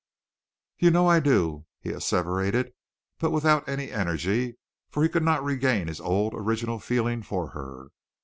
"You know I do," he asseverated, but without any energy, for he could not regain his old original feeling for her.